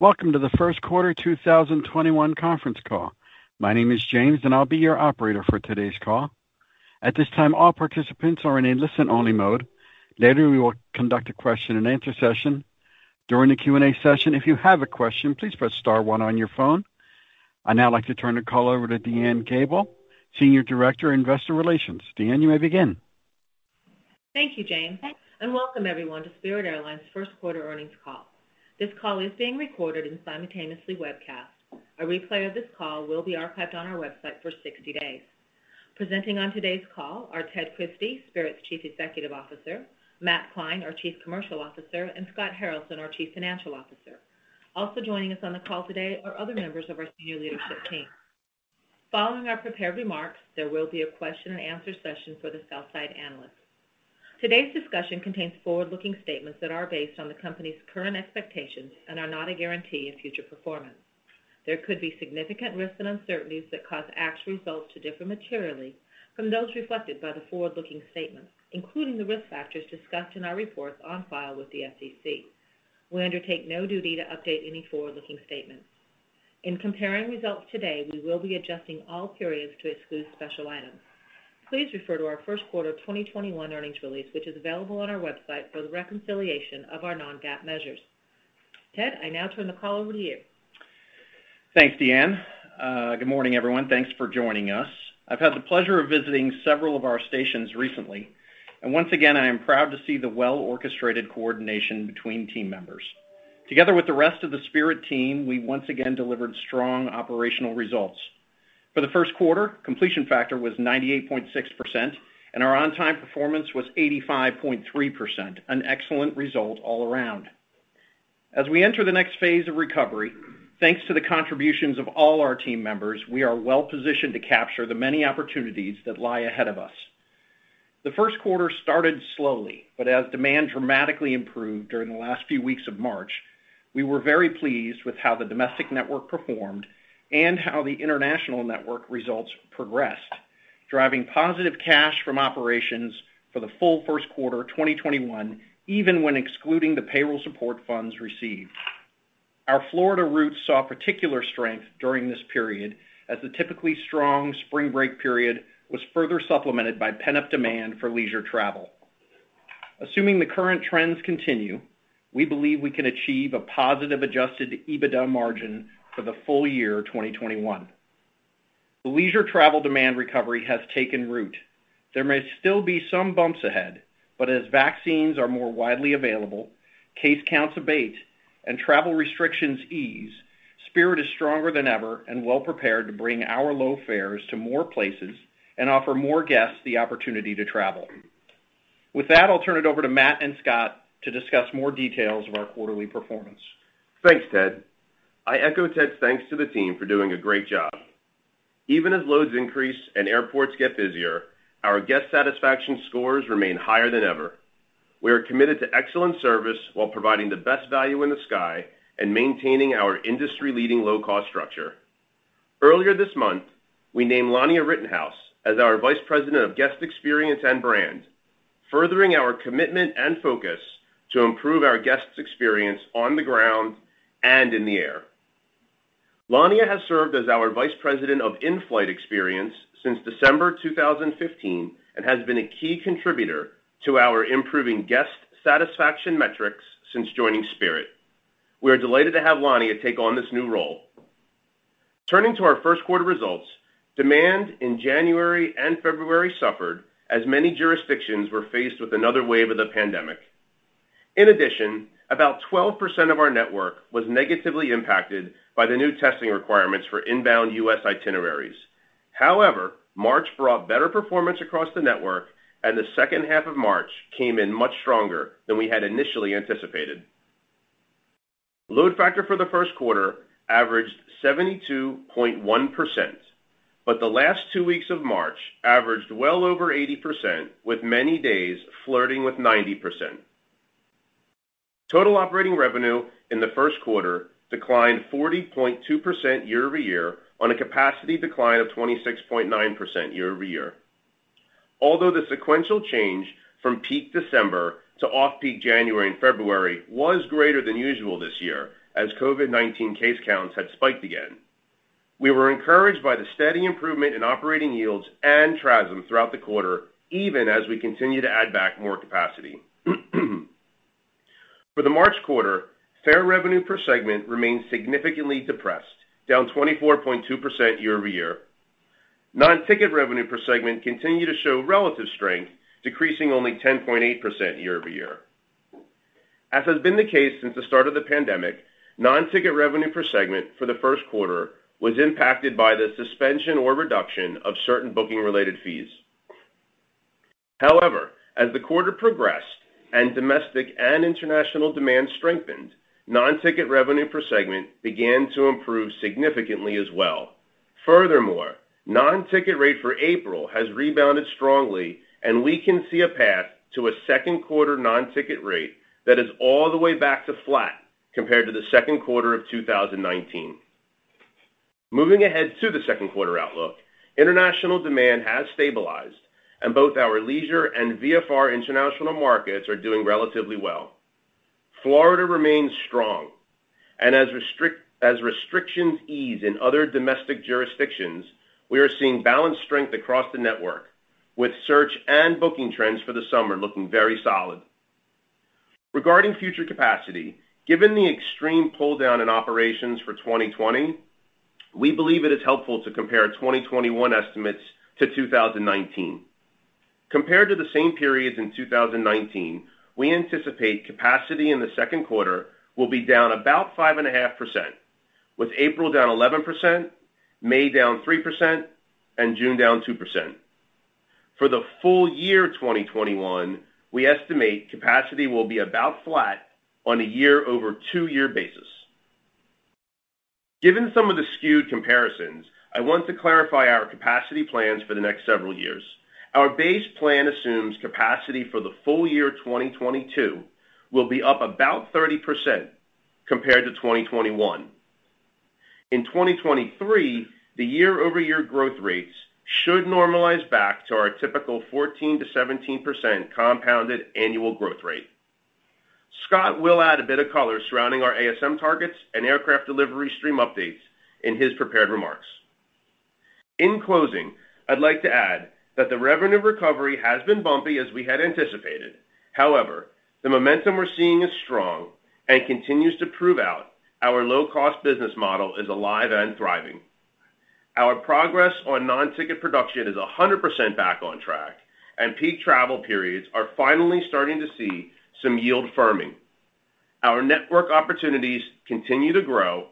Welcome to the first quarter 2021 conference call. My name is James, and I'll be your operator for today's call. At this time, all participants are in a listen-only mode. Later, we will conduct a question-and-answer session. During the Q&A session, if you have a question, please press star one on your phone. I'd now like to turn the call over to DeAnne Gabel, Senior Director, Investor Relations. DeAnne, you may begin. Thank you, James, and welcome everyone to Spirit Airlines' first quarter earnings call. This call is being recorded and simultaneously webcast. A replay of this call will be archived on our website for 60 days. Presenting on today's call are Ted Christie, Spirit's Chief Executive Officer, Matt Klein, our Chief Commercial Officer, and Scott Haralson, our Chief Financial Officer. Also joining us on the call today are other members of our senior leadership team. Following our prepared remarks, there will be a question and answer session for the sell-side analysts. Today's discussion contains forward-looking statements that are based on the company's current expectations and are not a guarantee of future performance. There could be significant risks and uncertainties that cause actual results to differ materially from those reflected by the forward-looking statements, including the risk factors discussed in our reports on file with the SEC. We undertake no duty to update any forward-looking statements. In comparing results today, we will be adjusting all periods to exclude special items. Please refer to our first quarter 2021 earnings release, which is available on our website for the reconciliation of our non-GAAP measures. Ted, I now turn the call over to you. Thanks, DeAnne. Good morning, everyone. Thanks for joining us. I've had the pleasure of visiting several of our stations recently, and once again, I am proud to see the well-orchestrated coordination between team members. Together with the rest of the Spirit team, we once again delivered strong operational results. For the first quarter, completion factor was 98.6%, and our on-time performance was 85.3%, an excellent result all around. As we enter the next phase of recovery, thanks to the contributions of all our team members, we are well positioned to capture the many opportunities that lie ahead of us. The first quarter started slowly, but as demand dramatically improved during the last few weeks of March, we were very pleased with how the domestic network performed and how the international network results progressed, driving positive cash from operations for the full first quarter 2021, even when excluding the payroll support funds received. Our Florida routes saw particular strength during this period, as the typically strong spring break period was further supplemented by pent-up demand for leisure travel. Assuming the current trends continue, we believe we can achieve a positive adjusted EBITDA margin for the full year 2021. The leisure travel demand recovery has taken root. There may still be some bumps ahead, but as vaccines are more widely available, case counts abate, and travel restrictions ease, Spirit is stronger than ever and well prepared to bring our low fares to more places and offer more guests the opportunity to travel. With that, I'll turn it over to Matt and Scott to discuss more details of our quarterly performance. Thanks, Ted Christie. I echo Ted Christie's thanks to the team for doing a great job. Even as loads increase and airports get busier, our guest satisfaction scores remain higher than ever. We are committed to excellent service while providing the best value in the sky and maintaining our industry-leading low-cost structure. Earlier this month, we named Lania Rittenhouse as our Vice President of Guest Experience and Brand, furthering our commitment and focus to improve our guests' experience on the ground and in the air. Lania Rittenhouse has served as our Vice President of In-Flight Experience since December 2015 and has been a key contributor to our improving guest satisfaction metrics since joining Spirit Airlines. We are delighted to have Lania Rittenhouse take on this new role. Turning to our first quarter results, demand in January and February suffered as many jurisdictions were faced with another wave of the pandemic. In addition, about 12% of our network was negatively impacted by the new testing requirements for inbound U.S. itineraries. March brought better performance across the network, and the second half of March came in much stronger than we had initially anticipated. Load factor for the first quarter averaged 72.1%, but the last two weeks of March averaged well over 80% with many days flirting with 90%. Total operating revenue in the first quarter declined 40.2% year-over-year on a capacity decline of 26.9% year-over-year. The sequential change from peak December to off-peak January and February was greater than usual this year, as COVID-19 case counts had spiked again, we were encouraged by the steady improvement in operating yields and TRASM throughout the quarter, even as we continue to add back more capacity. For the March quarter, fare revenue per segment remains significantly depressed, down 24.2% year-over-year. Non-ticket revenue per segment continued to show relative strength, decreasing only 10.8% year-over-year. As has been the case since the start of the pandemic, non-ticket revenue per segment for the first quarter was impacted by the suspension or reduction of certain booking-related fees. As the quarter progressed and domestic and international demand strengthened, non-ticket revenue per segment began to improve significantly as well. Non-ticket rate for April has rebounded strongly, and we can see a path to a second quarter non-ticket rate that is all the way back to flat compared to the second quarter of 2019. Moving ahead to the second quarter outlook, international demand has stabilized, and both our leisure and VFR international markets are doing relatively well. Florida remains strong, and as restrictions ease in other domestic jurisdictions, we are seeing balanced strength across the network, with search and booking trends for the summer looking very solid. Regarding future capacity, given the extreme pull-down in operations for 2020, we believe it is helpful to compare 2021 estimates to 2019. Compared to the same periods in 2019, we anticipate capacity in the second quarter will be down about 5.5%, with April down 11%, May down 3%, and June down 2%. For the full year 2021, we estimate capacity will be about flat on a year-over-two-year basis. Given some of the skewed comparisons, I want to clarify our capacity plans for the next several years. Our base plan assumes capacity for the full year 2022 will be up about 30% compared to 2021. In 2023, the year-over-year growth rates should normalize back to our typical 14%-17% compounded annual growth rate. Scott will add a bit of color surrounding our ASM targets and aircraft delivery stream updates in his prepared remarks. In closing, I'd like to add that the revenue recovery has been bumpy as we had anticipated. However, the momentum we're seeing is strong and continues to prove out our low-cost business model is alive and thriving. Our progress on non-ticket production is 100% back on track, and peak travel periods are finally starting to see some yield firming. Our network opportunities continue to grow.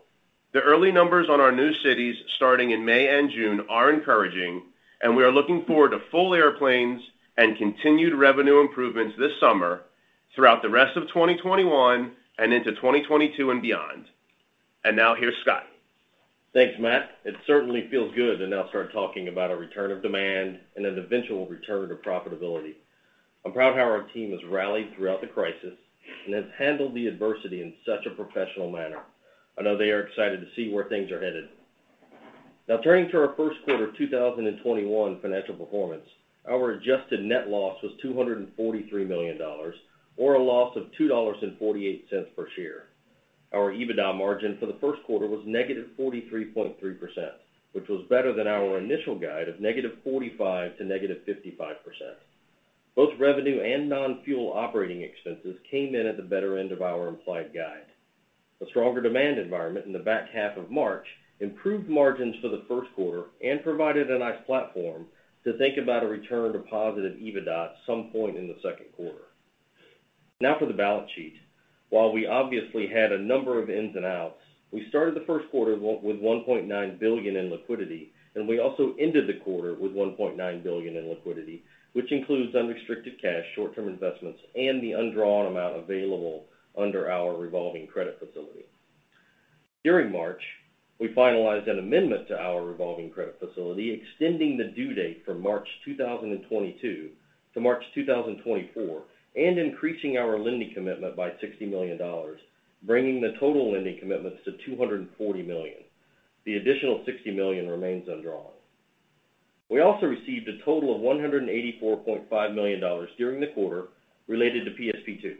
The early numbers on our new cities starting in May and June are encouraging, and we are looking forward to full airplanes and continued revenue improvements this summer throughout the rest of 2021 and into 2022 and beyond. Now here's Scott. Thanks, Matt. It certainly feels good to now start talking about a return of demand and an eventual return to profitability. I'm proud of how our team has rallied throughout the crisis and has handled the adversity in such a professional manner. I know they are excited to see where things are headed. Turning to our first quarter 2021 financial performance. Our adjusted net loss was $243 million, or a loss of $2.48 per share. Our EBITDA margin for the first quarter was negative 43.3%, which was better than our initial guide of negative 45%-negative 55%. Both revenue and non-fuel operating expenses came in at the better end of our implied guide. A stronger demand environment in the back half of March improved margins for the first quarter and provided a nice platform to think about a return to positive EBITDA at some point in the second quarter. For the balance sheet. While we obviously had a number of ins and outs, we started the first quarter with $1.9 billion in liquidity, and we also ended the quarter with $1.9 billion in liquidity, which includes unrestricted cash, short-term investments, and the undrawn amount available under our revolving credit facility. During March, we finalized an amendment to our revolving credit facility, extending the due date from March 2022 to March 2024 and increasing our lending commitment by $60 million, bringing the total lending commitments to $240 million. The additional $60 million remains undrawn. We also received a total of $184.5 million during the quarter related to PSP2.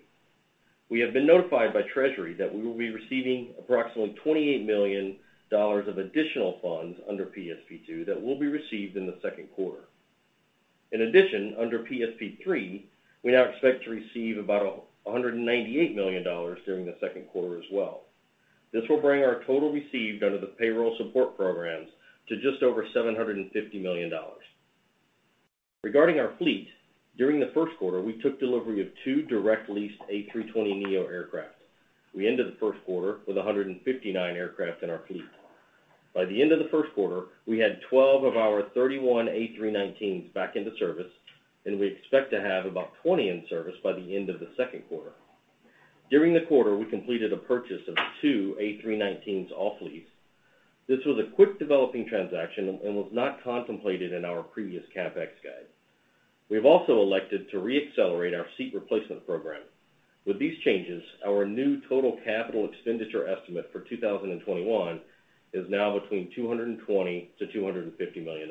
We have been notified by Treasury that we will be receiving approximately $28 million of additional funds under PSP2 that will be received in the second quarter. Under PSP3, we now expect to receive about $198 million during the second quarter as well. This will bring our total received under the payroll support programs to just over $750 million. Regarding our fleet, during the first quarter, we took delivery of two direct-leased A320neo aircraft. We ended the first quarter with 159 aircraft in our fleet. By the end of the first quarter, we had 12 of our 31 A319s back into service, and we expect to have about 20 in service by the end of the second quarter. During the quarter, we completed a purchase of two A319 off lease. This was a quick-developing transaction and was not contemplated in our previous CapEx guide. We have also elected to re-accelerate our seat replacement program. With these changes, our new total capital expenditure estimate for 2021 is now between $220 million-$250 million.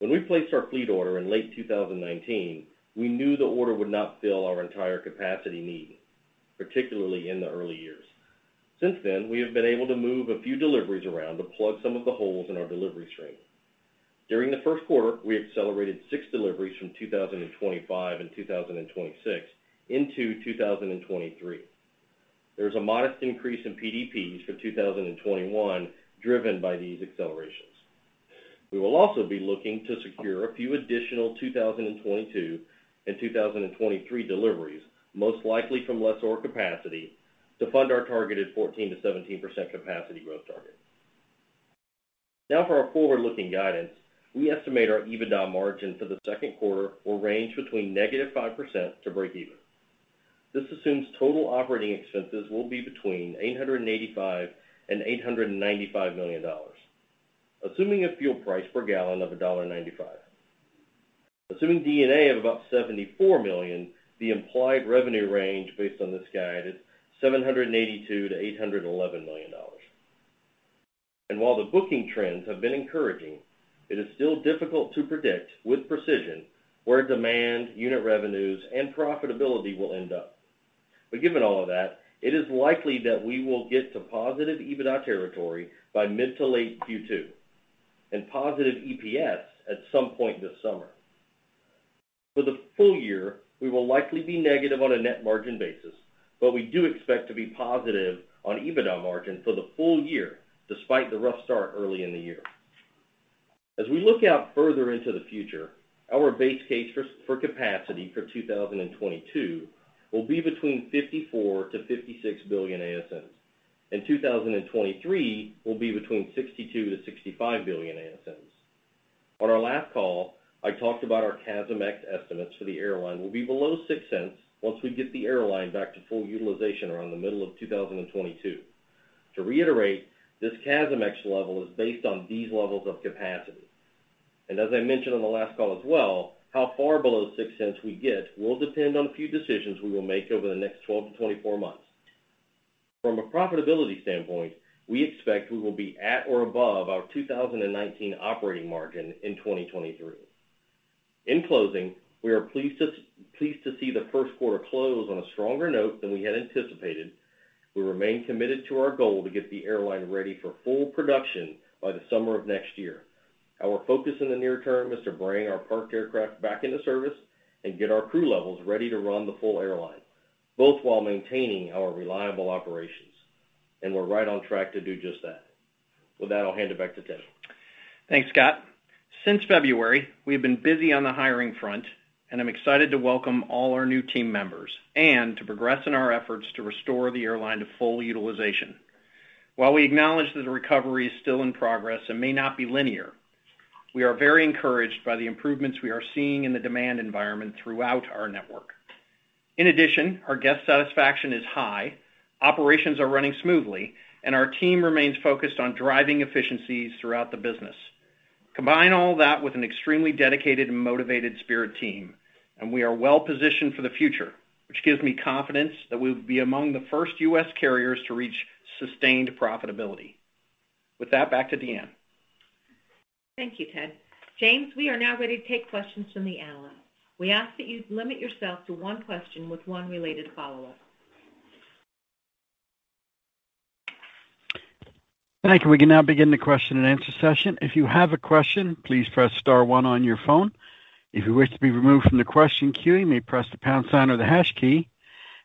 When we placed our fleet order in late 2019, we knew the order would not fill our entire capacity need, particularly in the early years. Since then, we have been able to move a few deliveries around to plug some of the holes in our delivery stream. During the first quarter, we accelerated six deliveries from 2025 and 2026 into 2023. There is a modest increase in PDP for 2021 driven by these accelerations. We will also be looking to secure a few additional 2022 and 2023 deliveries, most likely from lessor capacity, to fund our targeted 14%-17% capacity growth target. Now for our forward-looking guidance. We estimate our EBITDA margin for the second quarter will range between -5% to breakeven. This assumes total operating expenses will be between $885 million and $895 million, assuming a fuel price per gallon of $1.95. Assuming D&A of about $74 million, the implied revenue range based on this guide is $782 million to $811 million. While the booking trends have been encouraging, it is still difficult to predict with precision where demand, unit revenues, and profitability will end up. Given all of that, it is likely that we will get to positive EBITDA territory by mid to late Q2, and positive EPS at some point this summer. For the full year, we will likely be negative on a net margin basis, but we do expect to be positive on EBITDA margin for the full year, despite the rough start early in the year. As we look out further into the future, our base case for capacity for 2022 will be between 54 billion-56 billion ASMs, 2023 will be between 62 billion-65 billion ASMs. On our last call, I talked about our CASM ex estimates for the airline will be below $0.06 once we get the airline back to full utilization around the middle of 2022. To reiterate, this CASM ex level is based on these levels of capacity. As I mentioned on the last call as well, how far below $0.06 we get will depend on a few decisions we will make over the next 12-24 months. From a profitability standpoint, we expect we will be at or above our 2019 operating margin in 2023. In closing, we are pleased to see the first quarter close on a stronger note than we had anticipated. We remain committed to our goal to get the airline ready for full production by the summer of next year. Our focus in the near term is to bring our parked aircraft back into service and get our crew levels ready to run the full airline, both while maintaining our reliable operations. We're right on track to do just that. With that, I'll hand it back to Ted. Thanks, Scott. Since February, we've been busy on the hiring front, and I'm excited to welcome all our new team members and to progress in our efforts to restore the airline to full utilization. While we acknowledge that the recovery is still in progress and may not be linear, we are very encouraged by the improvements we are seeing in the demand environment throughout our network. In addition, our guest satisfaction is high, operations are running smoothly, and our team remains focused on driving efficiencies throughout the business. Combine all that with an extremely dedicated and motivated Spirit team, and we are well-positioned for the future, which gives me confidence that we'll be among the first U.S. carriers to reach sustained profitability. With that, back to DeAnne. Thank you, Ted. Jamie, we are now ready to take questions from the analysts. We ask that you limit yourself to one question with one related follow-up. Thank you. We can now begin the question and answer session. If you have a question, please press star one on your phone. If you wish to be removed from the question queue, you may press the pound sign or the hash key.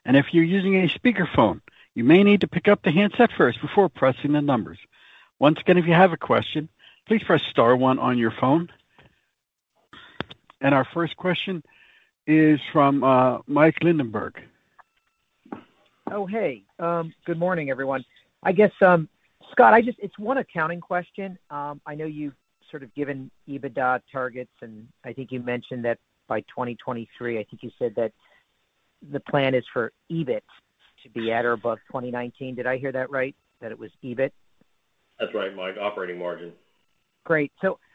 If you're using a speakerphone, you may need to pick up the handset first before pressing the numbers. Once again, if you have a question, please press star one on your phone. Our first question is from Mike Linenberg. Oh, hey. Good morning, everyone. I guess, Scott, it's one accounting question. I know you've sort of given EBITDA targets, and I think you mentioned that by 2023, I think you said that the plan is for EBIT to be at or above 2019. Did I hear that right? That it was EBIT? That's right, Mike. Operating margin. Great.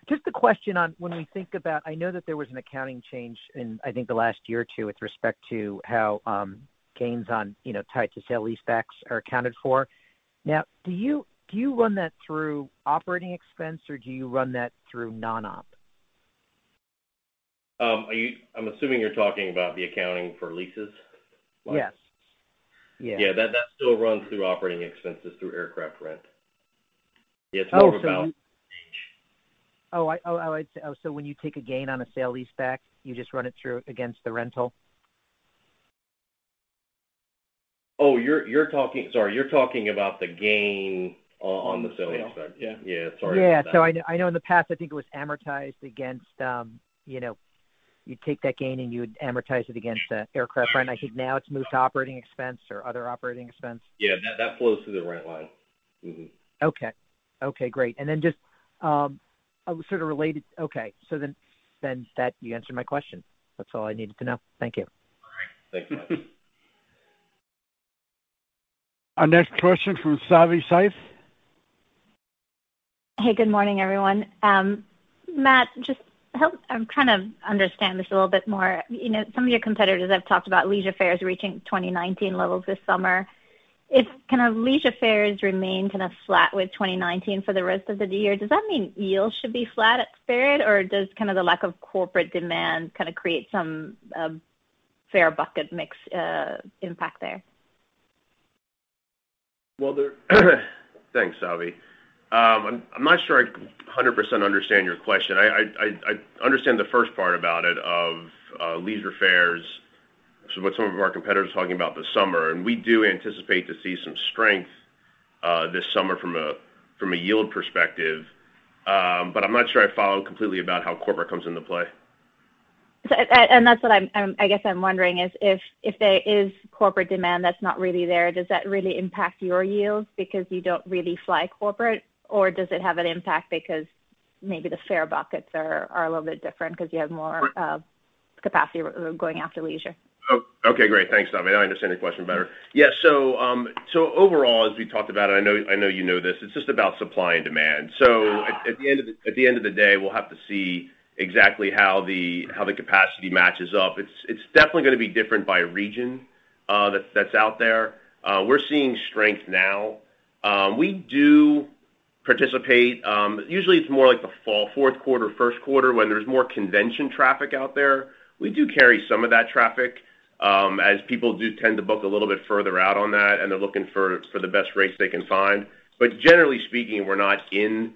Just a question on when we think about, I know that there was an accounting change in, I think, the last year or two with respect to how gains on tied to sale-leasebacks are accounted for. Now, do you run that through operating expense or do you run that through non-op? I'm assuming you're talking about the accounting for leases, Mike? Yes. Yeah, that still runs through operating expenses through aircraft rent. Yeah, it's more of a balance change. Oh, when you take a gain on a sale-leaseback, you just run it through against the rental? Oh, sorry, you're talking about the gain on the sale-leaseback. On the sale. Yeah. Sorry about that. Yeah. I know in the past, you'd take that gain and you would amortize it against the aircraft rent. I think now it's moved to operating expense or other operating expense. Yeah, that flows through the rent line. Mm-hmm. Okay, great. Okay, you answered my question. That's all I needed to know. Thank you. All right. Thanks, Mike. Our next question from Savanthi Syth. Hey, good morning, everyone. Matt, I'm trying to understand this a little bit more. Some of your competitors have talked about leisure fares reaching 2019 levels this summer. If kind of leisure fares remain kind of flat with 2019 for the rest of the year, does that mean yields should be flat at Spirit? Or does kind of the lack of corporate demand kind of create some fare bucket mix impact there? Well, thanks, Savi. I'm not sure I 100% understand your question. I understand the first part about it, of leisure fares, which is what some of our competitors are talking about this summer, and we do anticipate to see some strength this summer from a yield perspective. I'm not sure I follow completely about how corporate comes into play. That's what I guess I'm wondering is if there is corporate demand that's not really there, does that really impact your yields because you don't really fly corporate? Or does it have an impact because maybe the fare buckets are a little bit different? Capacity going after leisure. Okay, great. Thanks, I understand your question better. Overall, as we talked about, I know you know this, it's just about supply and demand. At the end of the day, we'll have to see exactly how the capacity matches up. It's definitely going to be different by region that's out there. We're seeing strength now. We do participate usually it's more like the fall, fourth quarter, first quarter, when there's more convention traffic out there. We do carry some of that traffic, as people do tend to book a little bit further out on that, and they're looking for the best rates they can find. Generally speaking, we're not in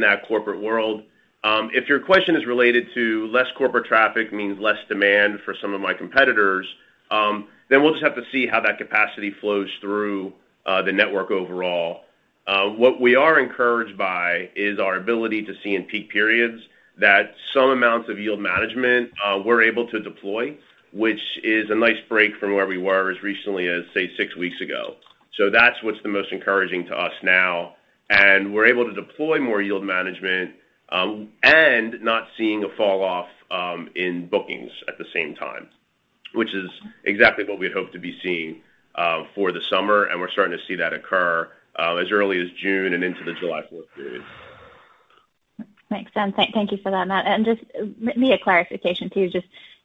that corporate world. If your question is related to less corporate traffic means less demand for some of my competitors, we'll just have to see how that capacity flows through the network overall. What we are encouraged by is our ability to see in peak periods that some amounts of yield management we're able to deploy, which is a nice break from where we were as recently as, say, six weeks ago. That's what's the most encouraging to us now, and we're able to deploy more yield management, and not seeing a fall off in bookings at the same time, which is exactly what we'd hope to be seeing for the summer. We're starting to see that occur as early as June and into the July fourth period. Makes sense. Thank you for that, Matt. Maybe a clarification, too,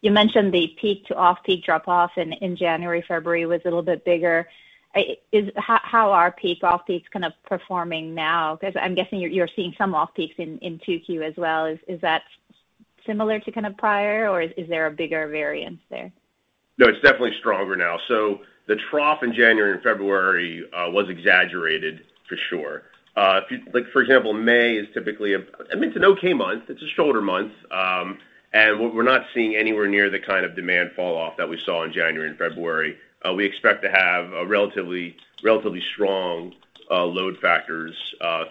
you mentioned the peak to off-peak drop off in January, February was a little bit bigger. How are peak off-peaks kind of performing now? I'm guessing you're seeing some off-peaks in 2Q as well. Is that similar to kind of prior, or is there a bigger variance there? No, it's definitely stronger now. The trough in January and February was exaggerated, for sure. For example, May is I mean, it's an okay month. It's a shoulder month. We're not seeing anywhere near the kind of demand fall off that we saw in January and February. We expect to have a relatively strong load factors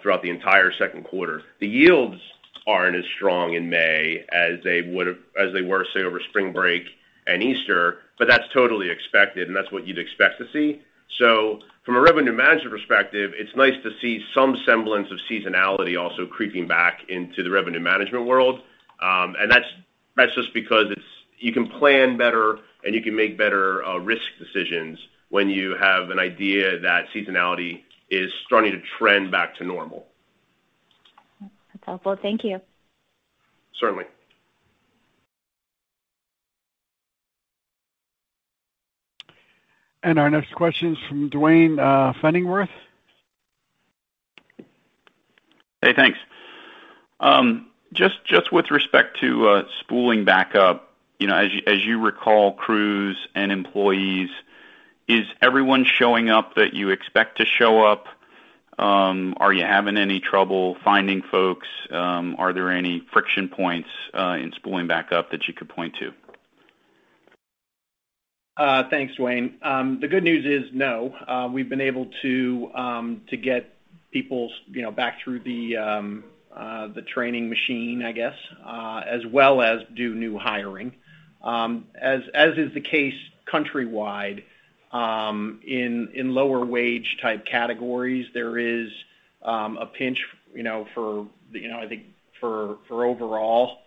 throughout the entire second quarter. The yields aren't as strong in May as they were, say, over spring break and Easter, but that's totally expected, and that's what you'd expect to see. From a revenue management perspective, it's nice to see some semblance of seasonality also creeping back into the revenue management world. That's just because you can plan better and you can make better risk decisions when you have an idea that seasonality is starting to trend back to normal. That's helpful. Thank you. Certainly. Our next question is from Duane Pfennigwerth. Hey, thanks. With respect to spooling back up, as you recall, crews and employees, is everyone showing up that you expect to show up? Are you having any trouble finding folks? Are there any friction points in spooling back up that you could point to? Thanks, Duane. The good news is no. We've been able to get people back through the training machine, I guess, as well as do new hiring. As is the case countrywide, in lower wage type categories, there is a pinch I think for overall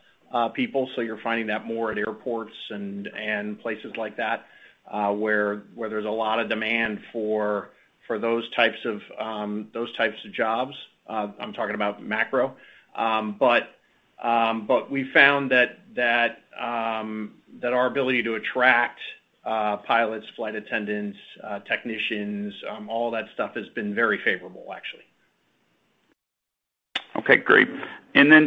people. You're finding that more at airports and places like that where there's a lot of demand for those types of jobs. I'm talking about macro. We found that our ability to attract pilots, flight attendants, technicians, all that stuff has been very favorable, actually. Okay, great.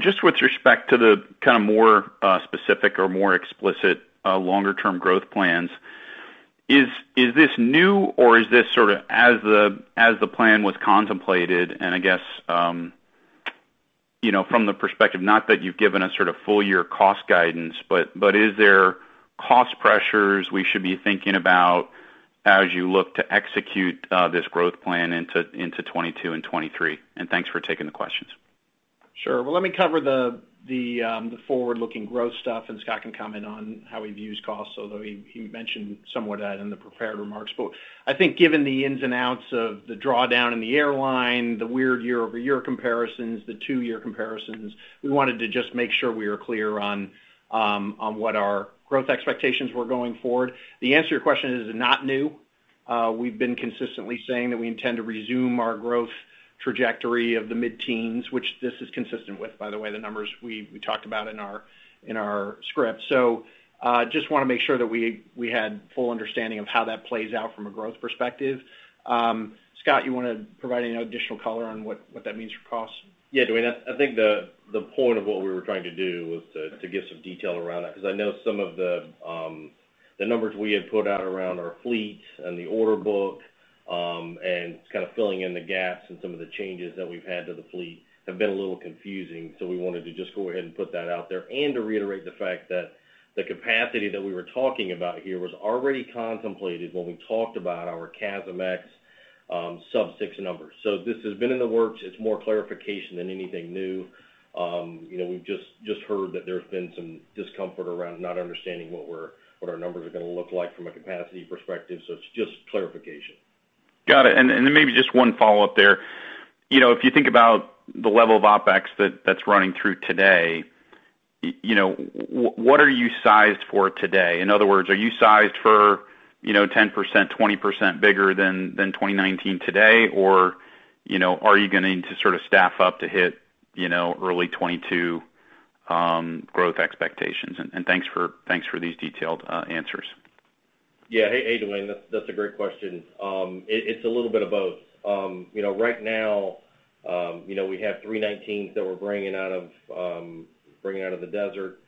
Just with respect to the kind of more specific or more explicit longer-term growth plans, is this new or is this sort of as the plan was contemplated and I guess from the perspective, not that you've given a sort of full year cost guidance, but is there cost pressures we should be thinking about as you look to execute this growth plan into 2022 and 2023? Thanks for taking the questions. Sure. Well, let me cover the forward-looking growth stuff, and Scott can comment on how we've used costs, although he mentioned somewhat that in the prepared remarks. I think given the ins and outs of the drawdown in the airline, the weird year-over-year comparisons, the two-year comparisons, we wanted to just make sure we were clear on what our growth expectations were going forward. The answer to your question is not new. We've been consistently saying that we intend to resume our growth trajectory of the mid-teens, which this is consistent with, by the way, the numbers we talked about in our script. Just want to make sure that we had full understanding of how that plays out from a growth perspective. Scott, you want to provide any additional color on what that means for costs? Yeah. Duane, I think the point of what we were trying to do was to give some detail around that, because I know some of the numbers we had put out around our fleet and the order book, and kind of filling in the gaps and some of the changes that we've had to the fleet have been a little confusing. We wanted to just go ahead and put that out there and to reiterate the fact that the capacity that we were talking about here was already contemplated when we talked about our CASM ex-fuel numbers. This has been in the works. It's more clarification than anything new. We've just heard that there's been some discomfort around not understanding what our numbers are going to look like from a capacity perspective. It's just clarification. Got it. Maybe just one follow-up there. If you think about the level of OpEx that's running through today, what are you sized for today? In other words, are you sized for 10%, 20% bigger than 2019 today? Are you going to need to staff up to hit early 2022 growth expectations? Thanks for these detailed answers. Yeah. Hey, Duane. That's a great question. It's a little bit of both. Right now, we have three 19s that we're bringing out of the desert.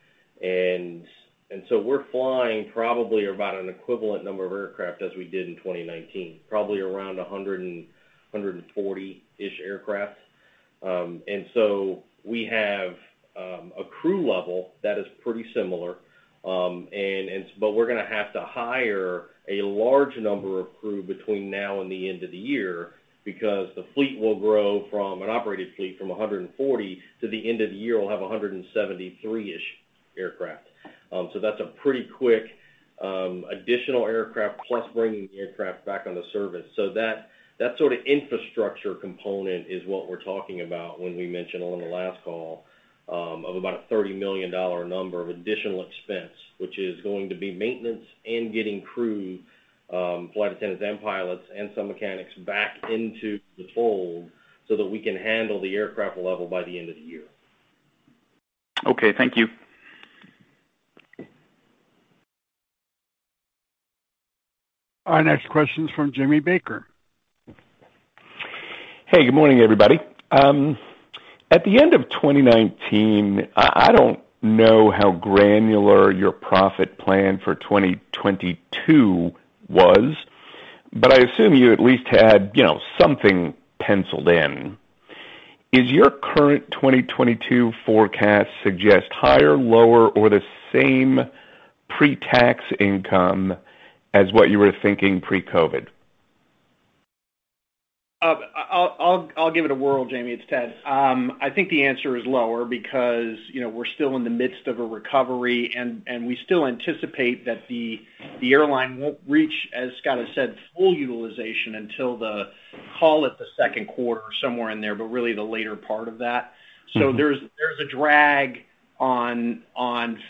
We're flying probably about an equivalent number of aircraft as we did in 2019, probably around 140-ish aircraft. We have a crew level that is pretty similar. We're going to have to hire a large number of crew between now and the end of the year because the fleet will grow from an operated fleet from 140 to, the end of the year, we'll have 173-ish aircraft. That's a pretty quick additional aircraft, plus bringing the aircraft back on the service. That sort of infrastructure component is what we're talking about when we mentioned on the last call of about a $30 million number of additional expense, which is going to be maintenance and getting crew, flight attendants and pilots and some mechanics, back into the fold so that we can handle the aircraft level by the end of the year. Okay, thank you. Our next question is from Jamie Baker. Hey, good morning, everybody. At the end of 2019, I don't know how granular your profit plan for 2022 was, but I assume you at least had something penciled in. Is your current 2022 forecast suggest higher, lower, or the same pre-tax income as what you were thinking pre-COVID? I'll give it a whirl, Jamie, it's Ted. I think the answer is lower because we're still in the midst of a recovery, and we still anticipate that the airline won't reach, as Scott has said, full utilization until the, call it the second quarter or somewhere in there, but really the later part of that. There's a drag on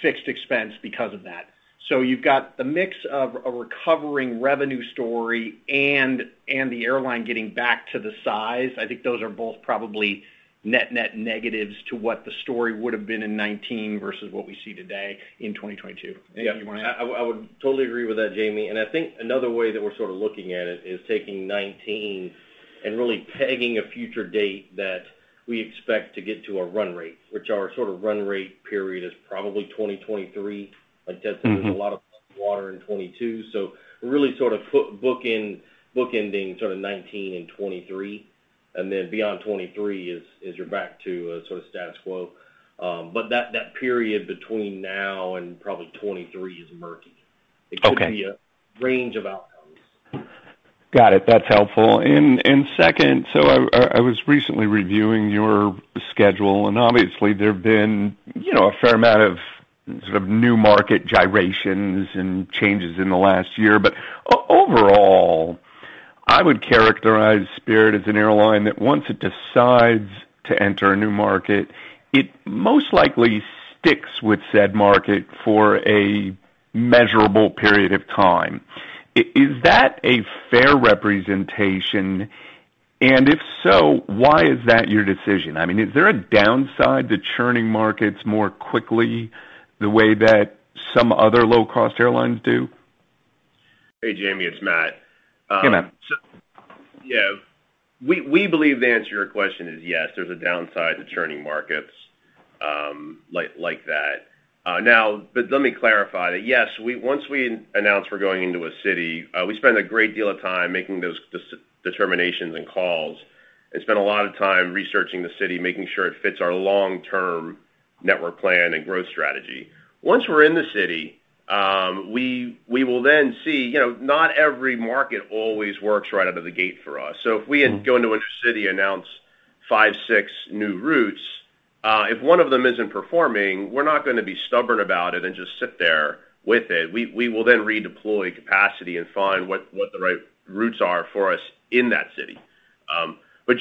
fixed expense because of that. You've got the mix of a recovering revenue story and the airline getting back to the size. I think those are both probably net negatives to what the story would've been in 2019 versus what we see today in 2022. Yeah. I would totally agree with that, Jamie. I think another way that we're sort of looking at it is taking '19 and really pegging a future date that we expect to get to our run rate, which our sort of run rate period is probably 2023. Like Ted said. There's a lot of water in 2022, we're really sort of book-ending sort of 2019 and 2023. Beyond 2023 is you're back to a sort of status quo. That period between now and probably 2023 is murky. Okay. It could be a range of outcomes. Got it. That's helpful. Second, I was recently reviewing your schedule, and obviously there've been a fair amount of sort of new market gyrations and changes in the last year. Overall, I would characterize Spirit as an airline that once it decides to enter a new market, it most likely sticks with said market for a measurable period of time. Is that a fair representation? If so, why is that your decision? Is there a downside to churning markets more quickly the way that some other low-cost airlines do? Hey, Jamie, it's Matt. Hey, Matt. Yeah. We believe the answer to your question is yes, there's a downside to churning markets like that. Now, let me clarify that, yes, once we announce we're going into a city, we spend a great deal of time making those determinations and calls and spend a lot of time researching the city, making sure it fits our long-term network plan and growth strategy. Once we're in the city, we will then see, not every market always works right out of the gate for us. If we go into a city, announce five, six new routes, if one of them isn't performing, we're not going to be stubborn about it and just sit there with it. We will then redeploy capacity and find what the right routes are for us in that city.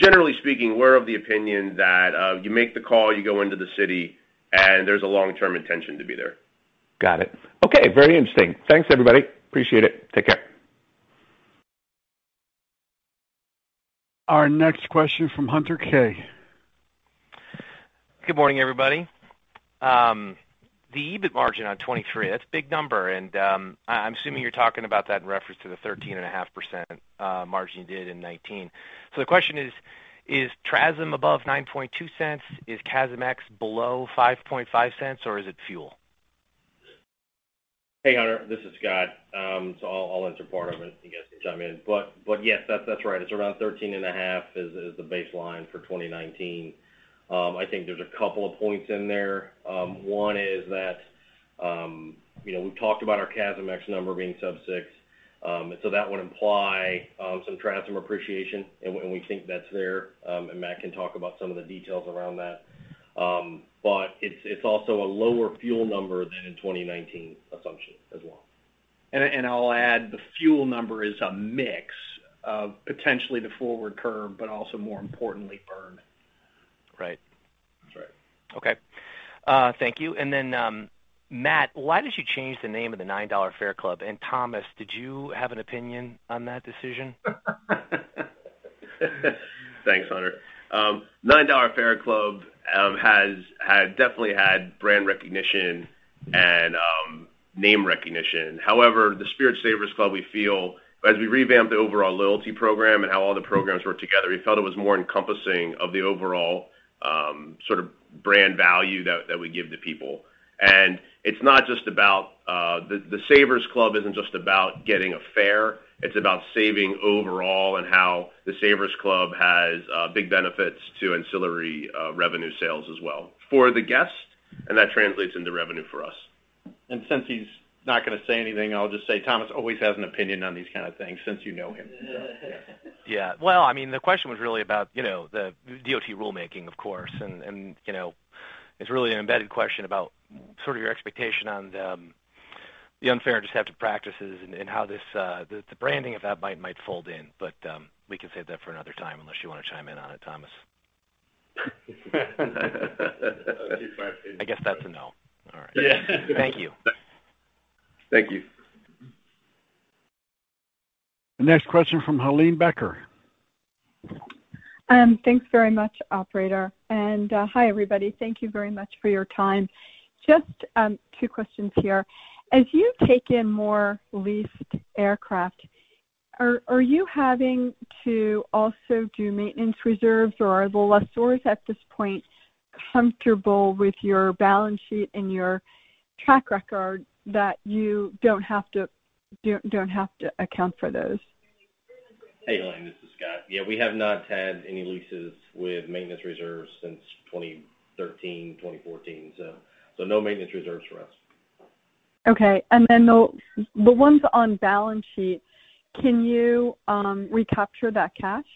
Generally speaking, we're of the opinion that you make the call, you go into the city, and there's a long-term intention to be there. Got it. Okay. Very interesting. Thanks, everybody. Appreciate it. Take care. Our next question from Hunter Keay. Good morning, everybody. The EBIT margin on 2023, that's a big number. I'm assuming you're talking about that in reference to the 13.5% margin you did in 2019. The question is TRASM above $0.092? Is CASM ex below $0.055, or is it fuel? Hey, Hunter, this is Scott. I'll answer part of it, and you guys can chime in. Yes, that's right. It's around 13.5 is the baseline for 2019. I think there's a couple of points in there. One is that we've talked about our CASM ex-fuel number being sub six. That would imply some TRASM appreciation, and we think that's there. Matt can talk about some of the details around that. It's also a lower fuel number than in 2019 assumption as well. I'll add, the fuel number is a mix of potentially the forward curve, but also more importantly burn. Right. That's right. Okay. Thank you. Then, Matt, why did you change the name of the $9 Fare Club? Thomas, did you have an opinion on that decision? Thanks, Hunter. $9 Fare Club has definitely had brand recognition and name recognition. The Spirit Saver$ Club, we feel as we revamped the overall loyalty program and how all the programs work together, we felt it was more encompassing of the overall brand value that we give to people. The Saver$ Club isn't just about getting a fare, it's about saving overall and how the Saver$ Club has big benefits to ancillary revenue sales as well for the guests, and that translates into revenue for us. Since he's not going to say anything, I'll just say Thomas always has an opinion on these kind of things, since you know him. Yeah. The question was really about the DOT rulemaking, of course. It's really an embedded question about your expectation on the unfair and deceptive practices and how the branding of that might fold in. We can save that for another time, unless you want to chime in on it, Thomas. That would be my opinion. I guess that's a no. All right. Yeah. Thank you. Thank you. Next question from Helane Becker. Thanks very much, operator. Hi, everybody. Thank you very much for your time. Just two questions here. As you take in more leased aircraft, are you having to also do maintenance reserves, or are the lessors at this point comfortable with your balance sheet and your track record that you don't have to account for those? Hey, Helane, this is Scott. We have not had any leases with maintenance reserves since 2013, 2014. No maintenance reserves for us. Okay. Then the ones on balance sheet, can you recapture that cash?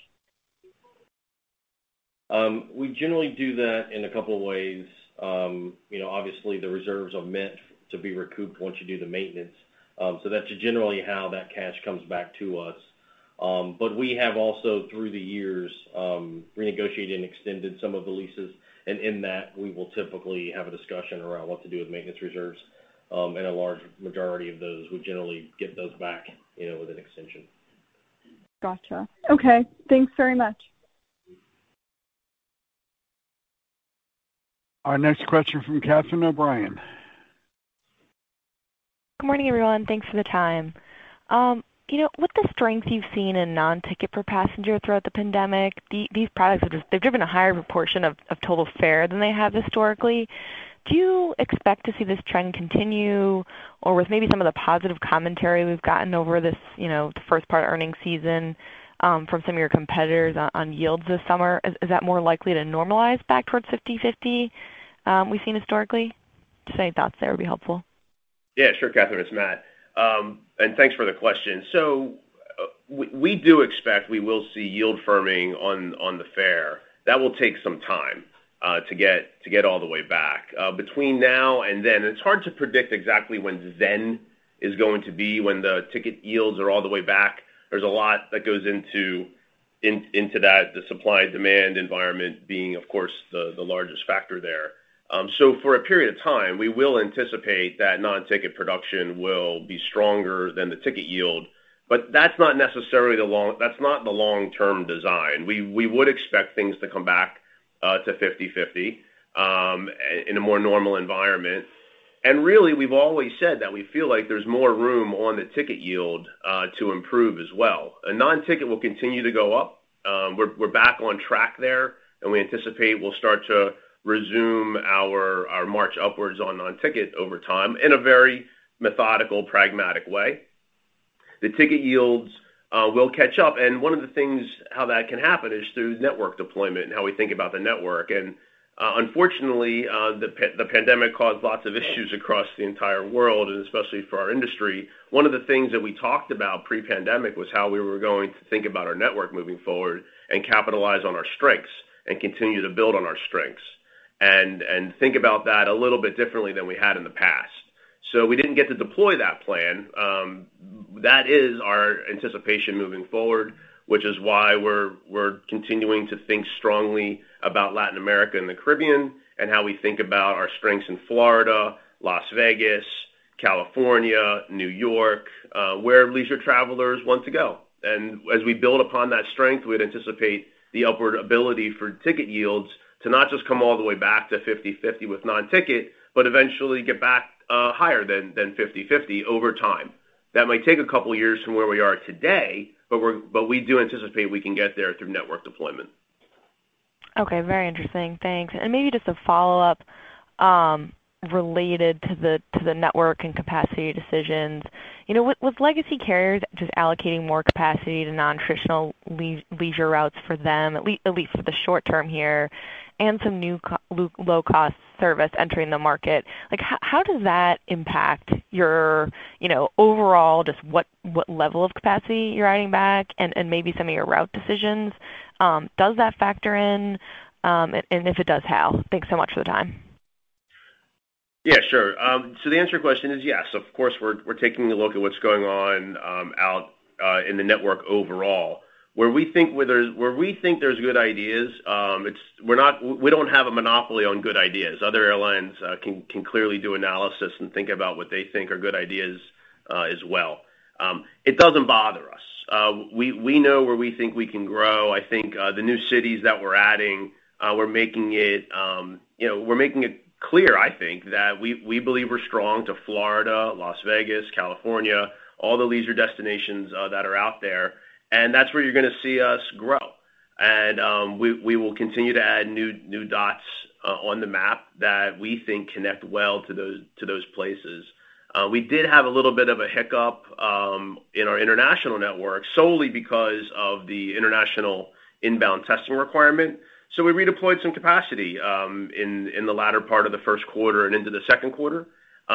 We generally do that in a couple of ways. Obviously, the reserves are meant to be recouped once you do the maintenance. That's generally how that cash comes back to us. We have also through the years, renegotiated and extended some of the leases, and in that, we will typically have a discussion around what to do with maintenance reserves. A large majority of those, we generally get those back with an extension. Got you. Okay, thanks very much. Our next question from Catherine O'Brien. Good morning, everyone. Thanks for the time. With the strength you've seen in non-ticket per passenger throughout the pandemic, these products, they've driven a higher proportion of total fare than they have historically. Do you expect to see this trend continue? With maybe some of the positive commentary we've gotten over this first part of earnings season from some of your competitors on yields this summer, is that more likely to normalize back towards 50/50 we've seen historically? Just any thoughts there would be helpful. Sure, Catherine, it's Matt. Thanks for the question. We do expect we will see yield firming on the fare. That will take some time to get all the way back. Between now and then, it's hard to predict exactly when the then is going to be when the ticket yields are all the way back. There's a lot that goes into that, the supply-demand environment being, of course, the largest factor there. For a period of time, we will anticipate that non-ticket production will be stronger than the ticket yield, but that's not the long-term design. We would expect things to come back to 50/50 in a more normal environment. Really, we've always said that we feel like there's more room on the ticket yield to improve as well. Non-ticket will continue to go up. We're back on track there, and we anticipate we'll start to resume our march upwards on non-ticket over time in a very methodical, pragmatic way. The ticket yields will catch up, and one of the things how that can happen is through network deployment and how we think about the network. Unfortunately, the pandemic caused lots of issues across the entire world and especially for our industry. One of the things that we talked about pre-pandemic was how we were going to think about our network moving forward and capitalize on our strengths and continue to build on our strengths and think about that a little bit differently than we had in the past. We didn't get to deploy that plan. That is our anticipation moving forward, which is why we're continuing to think strongly about Latin America and the Caribbean and how we think about our strengths in Florida, Las Vegas, California, New York, where leisure travelers want to go. As we build upon that strength, we'd anticipate the upward ability for ticket yields to not just come all the way back to 50/50 with non-ticket but eventually get back higher than 50/50 over time. That might take a couple of years from where we are today, but we do anticipate we can get there through network deployment. Okay. Very interesting. Thanks. Maybe just a follow-up related to the network and capacity decisions. With legacy carriers just allocating more capacity to non-traditional leisure routes for them, at least for the short term here, and some new low-cost service entering the market, how does that impact your overall, just what level of capacity you're adding back and maybe some of your route decisions? Does that factor in? If it does, how? Thanks so much for the time. Yeah, sure. The answer to your question is yes, of course, we're taking a look at what's going on out in the network overall. Where we think there's good ideas, we don't have a monopoly on good ideas. Other airlines can clearly do analysis and think about what they think are good ideas as well. It doesn't bother us. We know where we think we can grow. I think that the new cities that we're adding, we're making it clear, I think, that we believe we're strong to Florida, Las Vegas, California, all the leisure destinations that are out there, and that's where you're going to see us grow. We will continue to add new dots on the map that we think connect well to those places. We did have a little bit of a hiccup in our international network solely because of the international inbound testing requirement. We redeployed some capacity in the latter part of the first quarter and into the second quarter.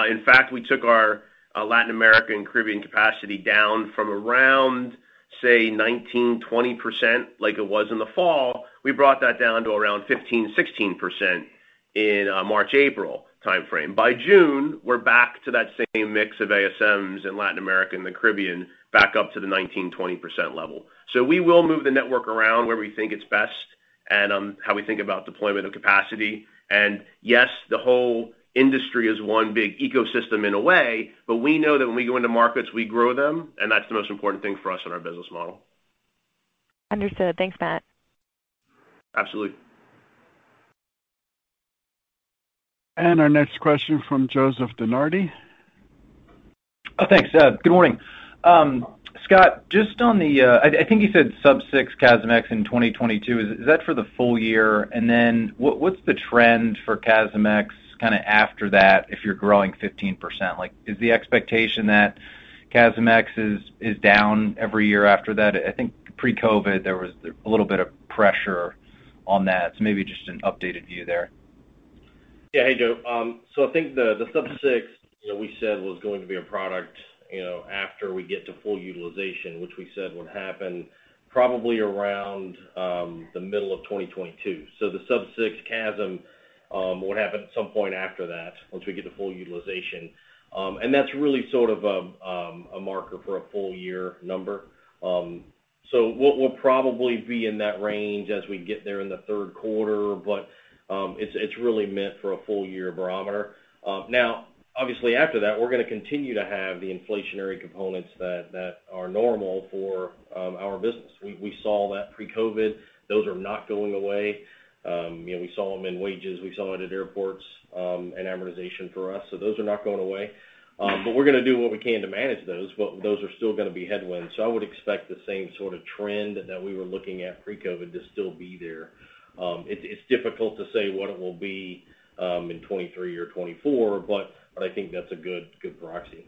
In fact, we took our Latin American and Caribbean capacity down from around, say, 19%-20% like it was in the fall. We brought that down to around 15%-16% in March, April timeframe. By June, we're back to that same mix of ASMs in Latin America and the Caribbean, back up to the 19%-20% level. We will move the network around where we think it's best and how we think about deployment of capacity. Yes, the whole industry is one big ecosystem in a way, but we know that when we go into markets, we grow them, and that's the most important thing for us in our business model. Understood. Thanks, Matt. Absolutely. Our next question from Joseph DeNardi. Thanks. Good morning. Scott, I think you said sub 6 CASM ex in 2022. Is that for the full year? What's the trend for CASM ex kind of after that, if you're growing 15%? Is the expectation that CASM ex is down every year after that? I think pre-COVID, there was a little bit of pressure on that. Maybe just an updated view there. Yeah. Hey, Joe. I think the sub six we said was going to be a product after we get to full utilization, which we said would happen probably around the middle of 2022. The sub six CASM would happen at some point after that, once we get to full utilization. That's really sort of a marker for a full year number. We'll probably be in that range as we get there in the third quarter, but it's really meant for a full year barometer. Obviously, after that, we're going to continue to have the inflationary components that are normal for our business. We saw that pre-COVID. Those are not going away. We saw them in wages, we saw them at airports and amortization for us. Those are not going away. We're going to do what we can to manage those, but those are still going to be headwinds. I would expect the same sort of trend that we were looking at pre-COVID to still be there. It's difficult to say what it will be in 2023 or 2024. I think that's a good proxy.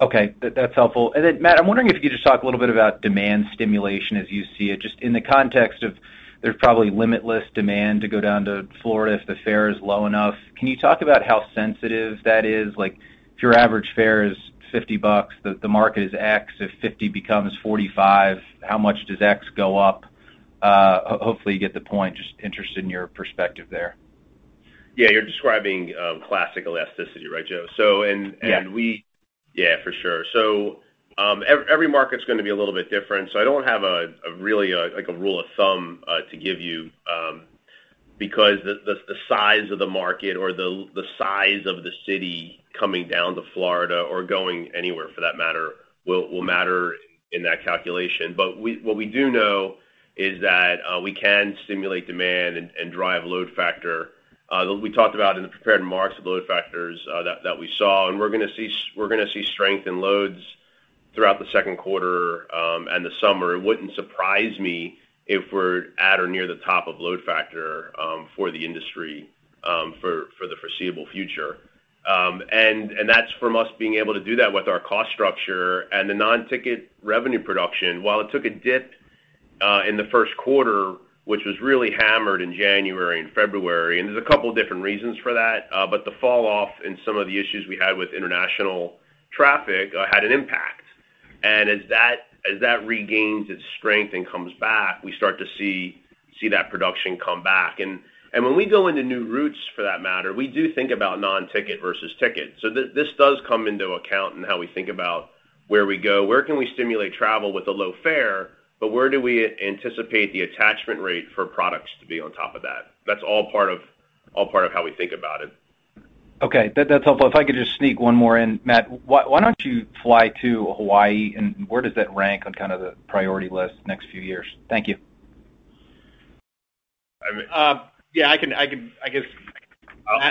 Okay. That's helpful. Matt, I'm wondering if you could just talk a little bit about demand stimulation as you see it, just in the context of there's probably limitless demand to go down to Florida if the fare is low enough. Can you talk about how sensitive that is? If your average fare is $50, the market is X. If $50 becomes $45, how much does X go up? Hopefully you get the point. Just interested in your perspective there. Yeah, you're describing classic elasticity, right, Joe? Yeah. Yeah, for sure. Every market's going to be a little bit different, so I don't have a really, a rule of thumb to give you because the size of the market or the size of the city coming down to Florida or going anywhere for that matter will matter in that calculation. What we do know is that we can stimulate demand and drive load factor. We talked about in the prepared remarks the load factors that we saw, and we're going to see strength in loads throughout the second quarter and the summer. It wouldn't surprise me if we're at or near the top of load factor for the industry for the foreseeable future. That's from us being able to do that with our cost structure and the non-ticket revenue production. While it took a dip in the first quarter, which was really hammered in January and February. There's a couple different reasons for that. The fall-off in some of the issues we had with international traffic had an impact. As that regains its strength and comes back, we start to see that production come back. When we go into new routes for that matter, we do think about non-ticket versus ticket. This does come into account in how we think about where we go. Where can we stimulate travel with a low fare, where do we anticipate the attachment rate for products to be on top of that? That's all part of how we think about it. Okay. That's helpful. If I could just sneak one more in. Matt, why don't you fly to Hawaii, where does that rank on kind of the priority list next few years? Thank you. Yeah, I guess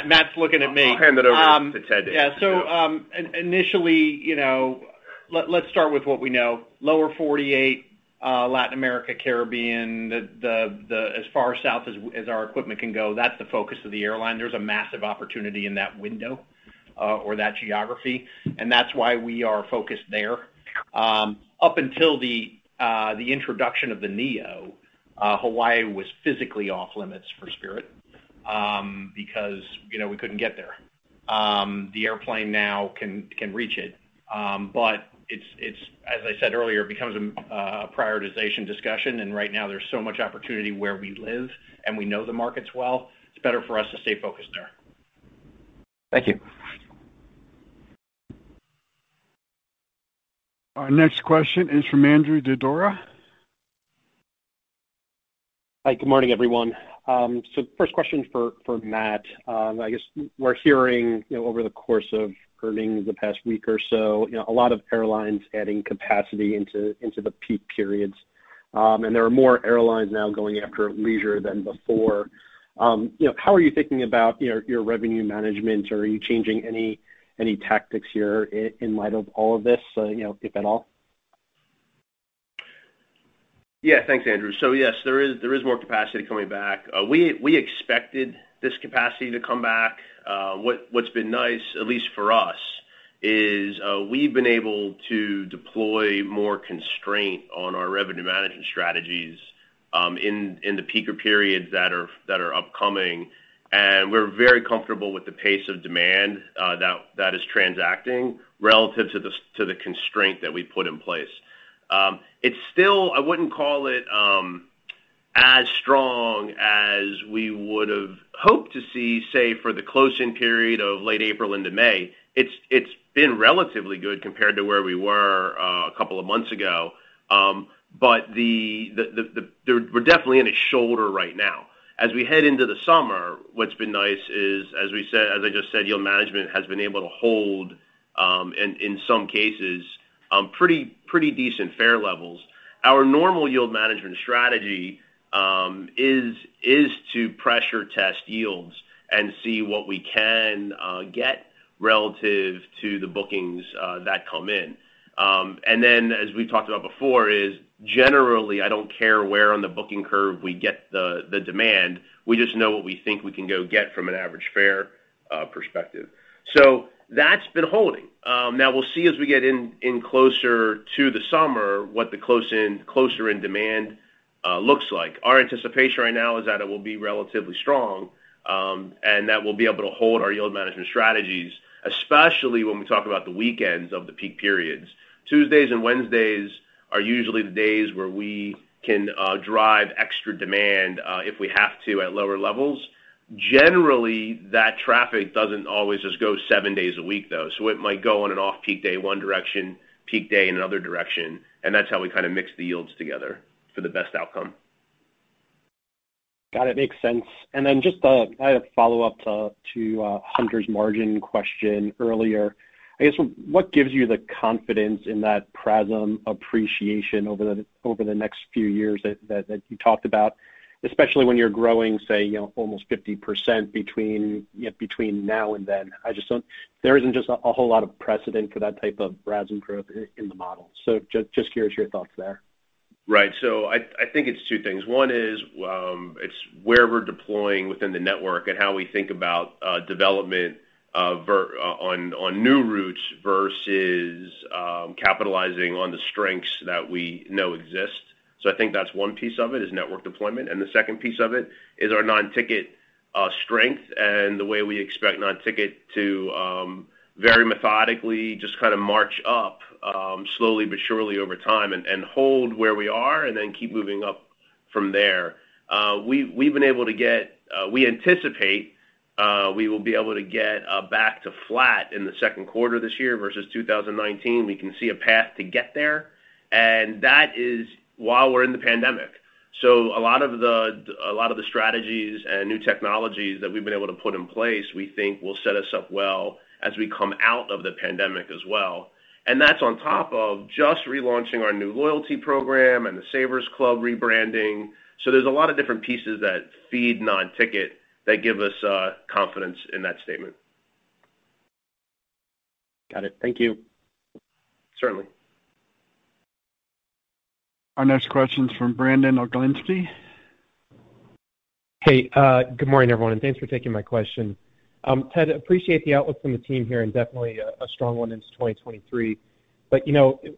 Matt's looking at me. I'll hand it over to Ted. Initially, let's start with what we know. Lower 48, Latin America, Caribbean, as far south as our equipment can go, that's the focus of the airline. There's a massive opportunity in that window or that geography, and that's why we are focused there. Up until the introduction of the NEO, Hawaii was physically off-limits for Spirit because we couldn't get there. The airplane now can reach it, but as I said earlier, it becomes a prioritization discussion, and right now there's so much opportunity where we live, and we know the markets well. It's better for us to stay focused there. Thank you. Our next question is from Andrew Didora. Hi, good morning, everyone. First question for Matt. I guess we're hearing over the course of earnings the past week or so, a lot of airlines adding capacity into the peak periods. There are more airlines now going after leisure than before. How are you thinking about your revenue management? Are you changing any tactics here in light of all of this, if at all? Thanks, Andrew. Yes, there is more capacity coming back. We expected this capacity to come back. What's been nice, at least for us, is we've been able to deploy more constraint on our revenue management strategies, in the peaker periods that are upcoming. We're very comfortable with the pace of demand that is transacting relative to the constraint that we put in place. It's still, I wouldn't call it as strong as we would've hoped to see, say, for the close-in period of late April into May. It's been relatively good compared to where we were a couple of months ago. We're definitely in a shoulder right now. As we head into the summer, what's been nice is, as I just said, yield management has been able to hold, in some cases, pretty decent fare levels. Our normal yield management strategy is to pressure test yields and see what we can get relative to the bookings that come in. As we've talked about before, is generally, I don't care where on the booking curve we get the demand, we just know what we think we can go get from an average fare perspective. That's been holding. We'll see as we get in closer to the summer, what the closer in demand looks like. Our anticipation right now is that it will be relatively strong, and that we'll be able to hold our yield management strategies, especially when we talk about the weekends of the peak periods. Tuesdays and Wednesdays are usually the days where we can drive extra demand, if we have to, at lower levels. Generally, that traffic doesn't always just go seven days a week, though. It might go on an off-peak day one direction, peak day in another direction, and that's how we kind of mix the yields together for the best outcome. Got it. Makes sense. Then just I had a follow-up to Hunter's margin question earlier. I guess, what gives you the confidence in that PRASM appreciation over the next few years that you talked about, especially when you're growing, say, almost 50% between now and then? There isn't just a whole lot of precedent for that type of PRASM growth in the model. Just curious your thoughts there. Right. I think it's two things. One is, it's where we're deploying within the network and how we think about development on new routes versus capitalizing on the strengths that we know exist. I think that's one piece of it, is network deployment. The second piece of it is our non-ticket strength and the way we expect non-ticket to very methodically just kind of march up, slowly but surely over time and hold where we are and then keep moving up from there. We anticipate we will be able to get back to flat in the second quarter this year versus 2019. We can see a path to get there, and that is while we're in the pandemic. A lot of the strategies and new technologies that we've been able to put in place, we think will set us up well as we come out of the pandemic as well. That's on top of just relaunching our new loyalty program and the Spirit Saver$ Club rebranding. There's a lot of different pieces that feed non-ticket that give us confidence in that statement. Got it. Thank you. Certainly. Our next question is from Brandon Oglenski. Hey, good morning, everyone, and thanks for taking my question. Ted, appreciate the outlook from the team here, and definitely a strong one into 2023.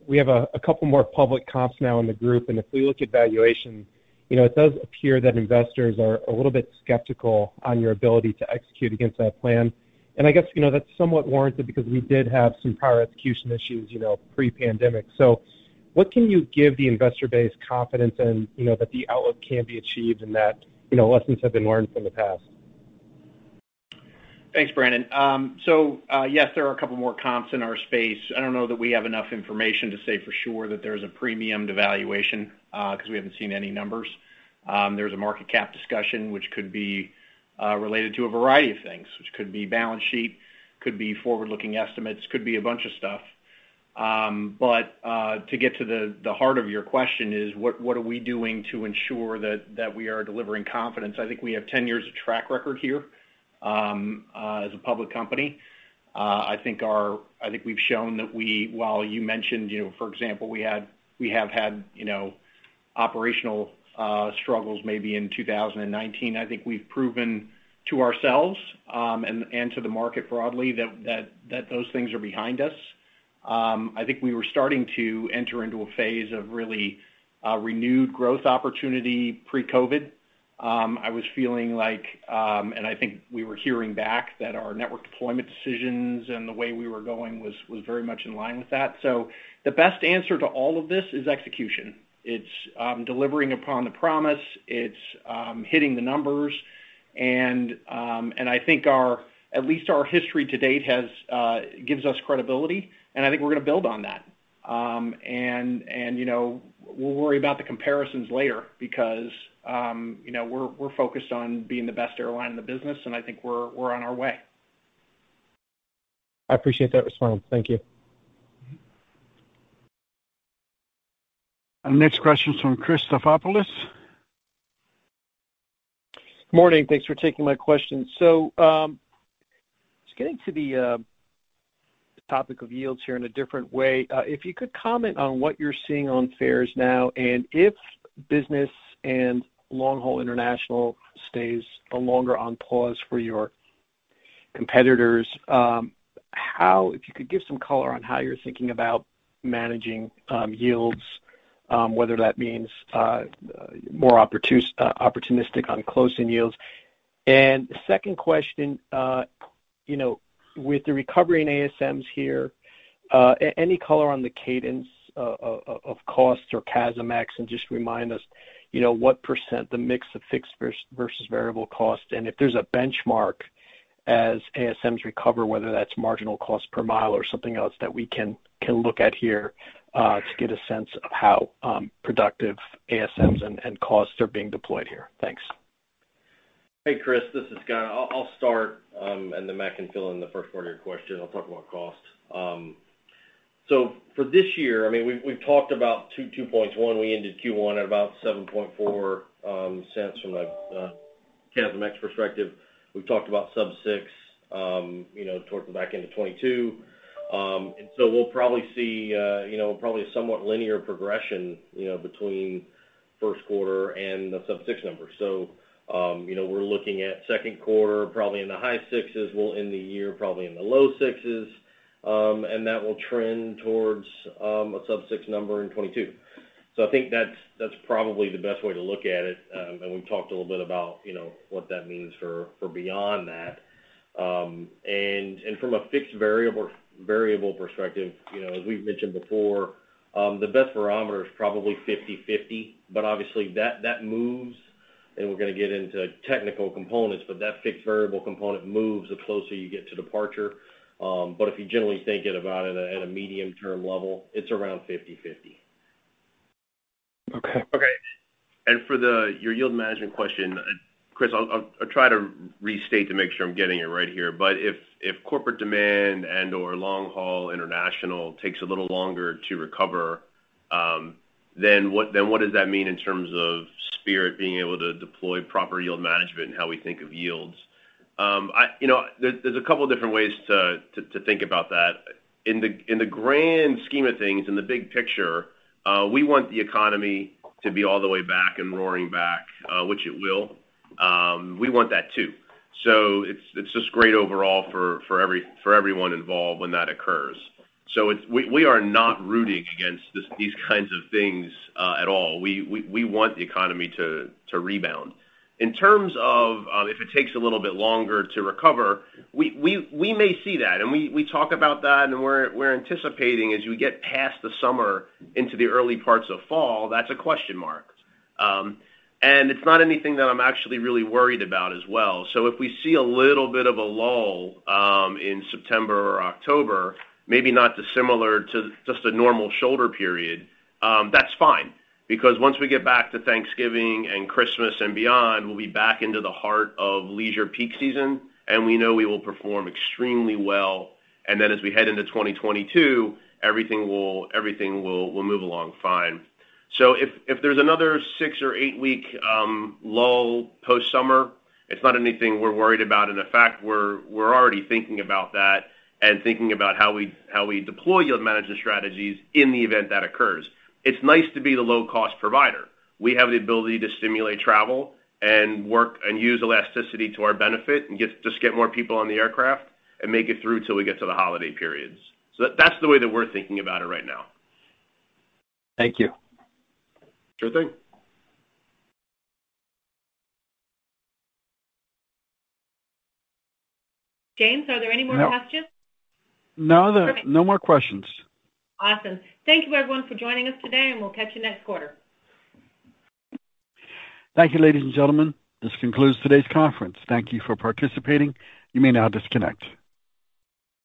We have a couple more public comps now in the group, and if we look at valuation, it does appear that investors are a little bit skeptical on your ability to execute against that plan. I guess that's somewhat warranted because we did have some prior execution issues, pre-pandemic. What can you give the investor base confidence in that the outlook can be achieved and that lessons have been learned from the past? Thanks, Brandon. Yes, there are a couple more comps in our space. I don't know that we have enough information to say for sure that there's a premium to valuation, because we haven't seen any numbers. There's a market cap discussion, which could be related to a variety of things, which could be balance sheet, could be forward-looking estimates, could be a bunch of stuff. To get to the heart of your question is, what are we doing to ensure that we are delivering confidence? I think we have 10 years of track record here, as a public company. I think we've shown that while you mentioned, for example, we have had operational struggles maybe in 2019, I think we've proven to ourselves, and to the market broadly, that those things are behind us. I think we were starting to enter into a phase of really renewed growth opportunity pre-COVID. I was feeling like, I think we were hearing back that our network deployment decisions and the way we were going was very much in line with that. The best answer to all of this is execution. It's delivering upon the promise. It's hitting the numbers. I think at least our history to date gives us credibility, and I think we're going to build on that. We'll worry about the comparisons later because we're focused on being the best airline in the business, and I think we're on our way. I appreciate that response. Thank you. Our next question is from Christopher Stathoulopoulos. Morning. Thanks for taking my question. Just getting to the topic of yields here in a different way, if you could comment on what you're seeing on fares now, and if business and long-haul international stays longer on pause for your competitors, if you could give some color on how you're thinking about managing yields, whether that means more opportunistic on closing yields. Second question, with the recovery in ASMs here, any color on the cadence of costs or CASM-ex, and just remind us what percent the mix of fixed versus variable costs, and if there's a benchmark as ASMs recover, whether that's marginal cost per mile or something else that we can look at here to get a sense of how productive ASMs and costs are being deployed here. Thanks. Hey, Chris, this is Scott. I'll start, and then Matt can fill in the first part of your question. I'll talk about cost. For this year, we've talked about two points. One, we ended Q1 at about $0.074 from a CASM x perspective. We've talked about sub six towards the back end of 2022. We'll probably see a somewhat linear progression between first quarter and the sub six numbers. We're looking at second quarter, probably in the high sixes. We'll end the year probably in the low 6s. That will trend towards a sub six number in 2022. I think that's probably the best way to look at it, and we've talked a little bit about what that means for beyond that. From a fixed variable perspective, as we've mentioned before, the best barometer is probably 50/50, but obviously that moves, and we're going to get into technical components, but that fixed variable component moves the closer you get to departure. If you generally think it about it at a medium-term level, it's around 50/50. Okay. For your yield management question, Chris, I'll try to restate to make sure I'm getting it right here. If corporate demand and/or long-haul international takes a little longer to recover, then what does that mean in terms of Spirit being able to deploy proper yield management and how we think of yields? There's a couple different ways to think about that. In the grand scheme of things, in the big picture, we want the economy to be all the way back and roaring back, which it will. We want that too. It's just great overall for everyone involved when that occurs. We are not rooting against these kinds of things at all. We want the economy to rebound. In terms of if it takes a little bit longer to recover, we may see that, and we talk about that, and we're anticipating as we get past the summer into the early parts of fall, that's a question mark. It's not anything that I'm actually really worried about as well. If we see a little bit of a lull in September or October, maybe not dissimilar to just a normal shoulder period, that's fine. Once we get back to Thanksgiving and Christmas and Beyond, we'll be back into the heart of leisure peak season, and we know we will perform extremely well. As we head into 2022, everything will move along fine. If there's another six- or eight-week lull post-summer, it's not anything we're worried about. In fact, we're already thinking about that and thinking about how we deploy yield management strategies in the event that occurs. It's nice to be the low-cost provider. We have the ability to stimulate travel and use elasticity to our benefit and just get more people on the aircraft and make it through till we get to the holiday periods. That's the way that we're thinking about it right now. Thank you. Sure thing. James, are there any more questions? No. No more questions. Awesome. Thank you everyone for joining us today, and we'll catch you next quarter. Thank you, ladies and gentlemen. This concludes today's conference. Thank you for participating. You may now disconnect.